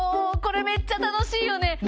これめっちゃ楽しいよね！